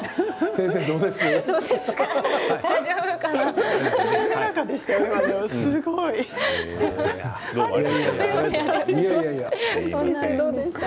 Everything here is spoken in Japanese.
先生どうですか？